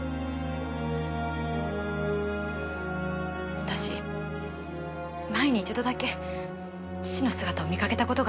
私前に一度だけ父の姿を見かけた事があるんです。